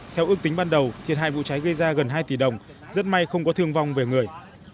theo ước tính ban đầu thiệt hại vụ cháy gây ra gần hai tỷ đồng rất may không có thương vong về người